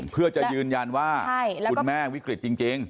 เพื่อจะยืนยันว่าคุณแม่วิกฤตจริง